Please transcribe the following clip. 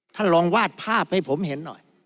ท่านลองวาดภาพให้ผมเห็นหน่อย